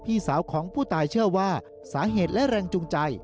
พี่สาวของผู้ตายเชื่อว่าสาเหตุและแรงจูงใจ